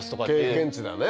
経験値だね。